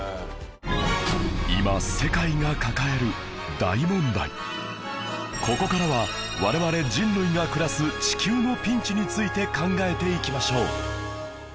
今ここからは我々人類が暮らす地球のピンチについて考えていきましょう